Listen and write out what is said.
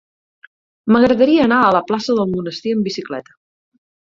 M'agradaria anar a la plaça del Monestir amb bicicleta.